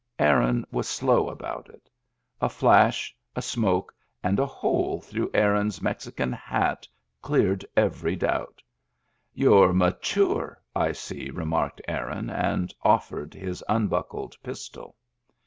Aaron was slow about it. A flash, a smoke, and a hole through Aaron's Mexican hat cleared every doubt. "You're mature, I see," remarked Aaron, and ofiFei:ed his unbuckled pistol.